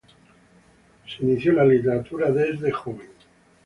Se inició en la literatura desde joven.